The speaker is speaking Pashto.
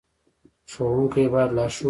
ښوونکی باید لارښود وي